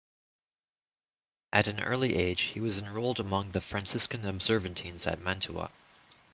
At an early age he was enrolled among the Franciscan Observantines at Mantua.